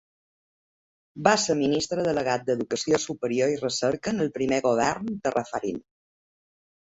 Va ser Ministre delegat d'Educació Superior i Recerca en el primer govern de Raffarin.